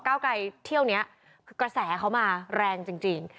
ก้าวไกลเที่ยวเนี้ยกระแสเขามาแรงจริงจริง